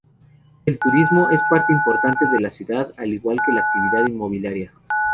El turismo es parte importante de la ciudad al igual que la actividad inmobiliaria.